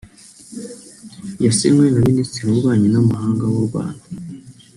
Yasinywe na Minisitiri w’Ububanyi n’Amahanga w’u Rwanda